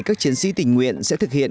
các chiến sĩ tình nguyện sẽ thực hiện